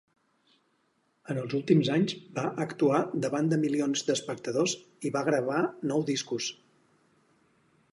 En els últims anys va actuar davant de milions d'espectadors i va gravar nou discos.